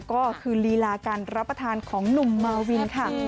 ก็คือลีลาการรับประทานของหนุ่มมาวินค่ะ